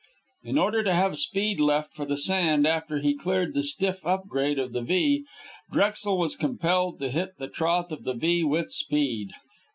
In order to have speed left for the sand after he cleared the stiff up grade of the V, Drexel was compelled to hit the trough of the V with speed.